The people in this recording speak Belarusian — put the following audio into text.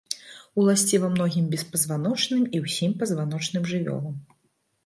Уласціва многім беспазваночным і ўсім пазваночным жывёлам.